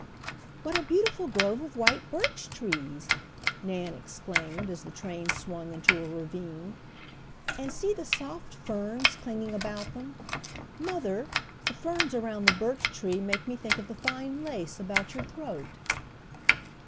"What a beautiful grove of white birch trees!" Nan exclaimed, as the train swung into a ravine. "And see the soft ferns clinging about them. Mother, the ferns around the birch tree make me think of the fine lace about your throat!"